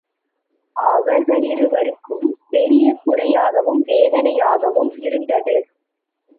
அவர்களிருவருக்கும் பெரிய குறையாகவும் வேதனையாகவும் இருந்தது.